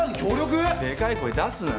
でかい声出すな。